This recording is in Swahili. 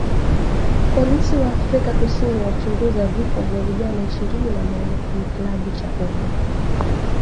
Polisi wa Afrika Kusini wachunguza vifo vya vijana ishirini na moja kwenye kilabu cha pombe